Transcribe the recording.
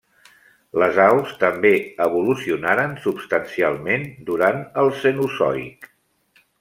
Les aus també evolucionaren substancialment durant el Cenozoic.